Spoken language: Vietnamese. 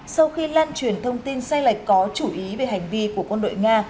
sau khi lan truyền thông tin say lại có chủ ý về hành vi của quân đội nga